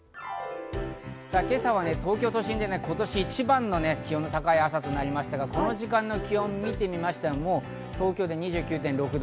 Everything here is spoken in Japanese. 今朝は東京都心で今年一番の気温の高い朝となりましたが、この時間の気温を見ましても東京で２９．６度。